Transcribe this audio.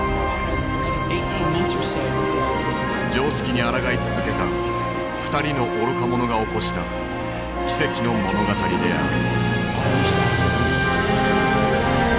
常識にあらがい続けた二人の「愚か者」が起こした奇跡の物語である。